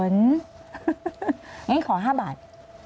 งั้นขอ๕บาท